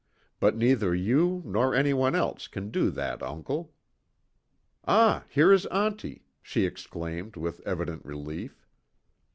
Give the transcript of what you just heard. But neither you nor any one else can do that, uncle. Ah, here is auntie," she exclaimed, with evident relief.